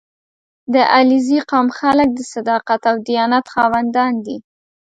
• د علیزي قوم خلک د صداقت او دیانت خاوندان دي.